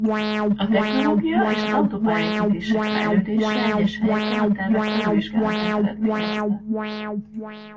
A technológia és az autópálya építések fejlődése egyes helyeken a tervek felülvizsgálatát eredményezte.